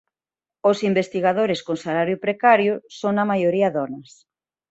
Os investigadores con salario precario son na maioría donas